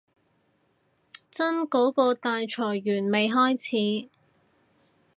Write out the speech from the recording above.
真嗰個大裁員未開始